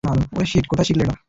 ওরে শিট, কোথায় শিখলে এটা?